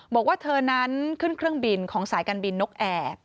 บอกว่าเธอนั้นขึ้นเครื่องบินของสายการบินนกแอร์